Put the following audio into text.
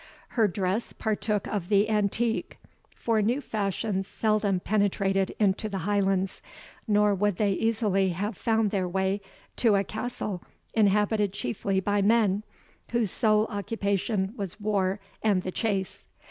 Her dress partook of the antique, for new fashions seldom penetrated into the Highlands, nor would they easily have found their way to a castle inhabited chiefly by men, whose sole occupation was war and the chase.